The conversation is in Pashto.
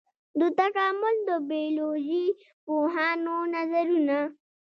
د تکامل د بيولوژي پوهانو نظرونه.